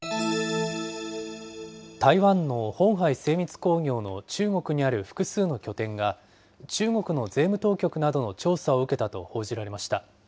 台湾のホンハイ精密工業の中国にある複数の拠点が、中国の税務当局などの調査を受けたと報じられました。